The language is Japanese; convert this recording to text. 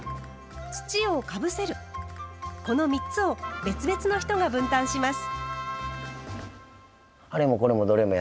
土をかぶせるこの３つを別々の人が分担します。